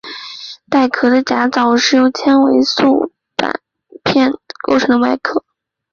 带硬壳的甲藻是由纤维素板片构成其外壳。